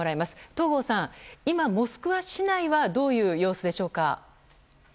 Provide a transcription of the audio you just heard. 東郷さん、今、モスクワ市内はどういう様子でしょうか。